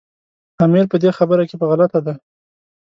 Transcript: امیر په دې خبره کې په غلطه دی.